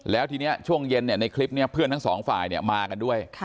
แล้วทีนี้ช่วงเย็นเนี่ยในคลิปเนี่ยเพื่อนทั้งสองฝ่ายเนี่ยมากันด้วย